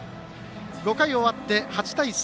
５回を終わって８対３。